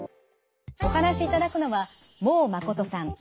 お話しいただくのは孟真さん。